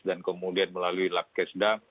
dan kemudian melalui lab kesda